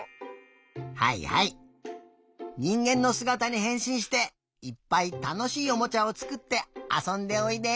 はいはいにんげんのすがたにへんしんしていっぱいたのしいおもちゃをつくってあそんでおいで。